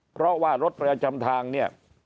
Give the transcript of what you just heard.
เพราะว่ารถประจำทางเนี่ย